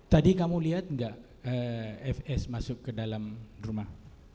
tadi kamu lihat nggak fs masuk ke dalam rumah